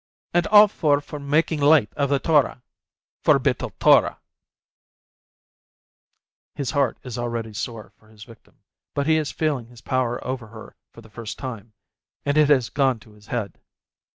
And all four for making light of the Torah ! For Bittul Torah !" His heart is already sore for his victim, but he is feeling his power over her for the first time, and it has gone to his head.